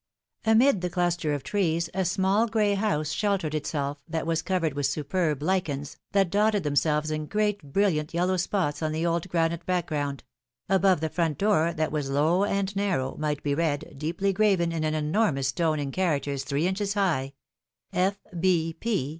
Amid the cluster of trees a small gray house sheltered itself, that was covered with superb lichens, that dotted themselves in great brilliant yellow spots on the old granite background ; above the front door, that was low and narrow, might be read, deeply graven in an enormous stone in characters three inches high; F. B.